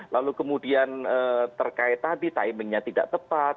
lalu kemudian terkait tadi timingnya tidak tepat